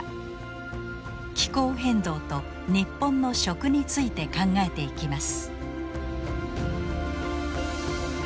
気候変動と日本の食について考えていきます。